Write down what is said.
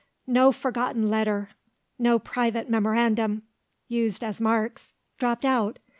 No forgotten letter, no private memorandum (used as marks) dropped out.